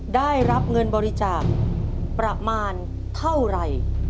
ได้รับเงินบริจาคประมาณเท่าไหร่